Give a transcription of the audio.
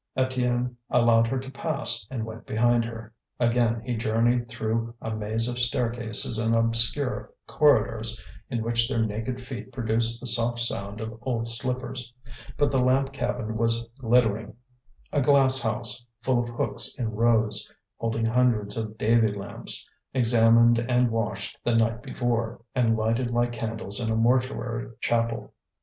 Étienne allowed her to pass, and went behind her. Again he journeyed through a maze of staircases and obscure corridors in which their naked feet produced the soft sound of old slippers. But the lamp cabin was glittering a glass house, full of hooks in rows, holding hundreds of Davy lamps, examined and washed the night before, and lighted like candles in a mortuary chapel.